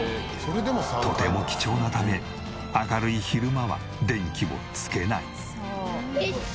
とても貴重なため明るい昼間は電気をつけない。